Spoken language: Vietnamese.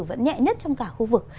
vẫn nhẹ nhất trong cả khu vực